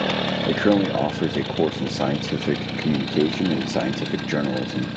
It currently offers a course in Scientific Communication and Scientific journalism.